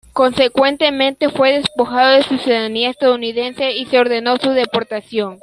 Consecuentemente fue despojado de su ciudadanía estadounidense y se ordenó su deportación.